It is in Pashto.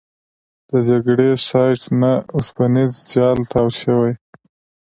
د جګړې سایټ نه اوسپنیز جال تاو شوی.